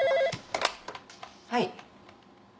☎はい。